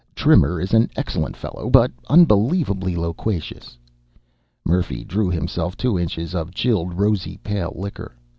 "Trimmer is an excellent fellow, but unbelievably loquacious." Murphy drew himself two inches of chilled rosy pale liquor.